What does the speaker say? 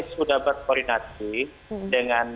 sudah berkoordinasi dengan